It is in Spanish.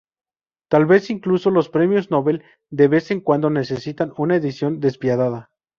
Tal vez incluso los premios Nobel de vez en cuando necesitan una edición despiadada.